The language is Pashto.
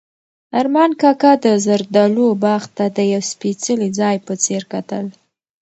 ارمان کاکا د زردالو باغ ته د یو سپېڅلي ځای په څېر کتل.